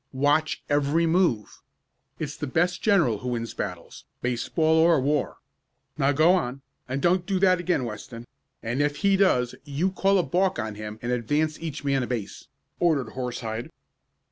Watch every move. It's the best general who wins battles baseball or war. Now go on, and don't do that again, Weston, and, if he does, you call a balk on him and advance each man a base," ordered Horsehide.